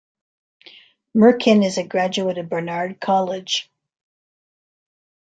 Merkin is a graduate of Barnard College.